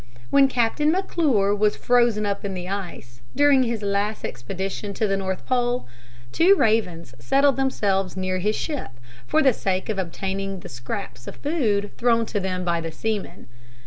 When Captain McClure was frozen up in the ice, during his last expedition to the North Pole, two ravens settled themselves near his ship, for the sake of obtaining the scraps of food thrown to them by the seamen.